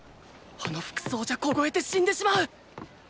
あの服装じゃ凍えて死んでしまう！